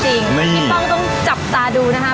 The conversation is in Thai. พี่ป้องต้องจับตาดูนะคะ